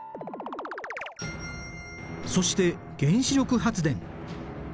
そして原子力発電。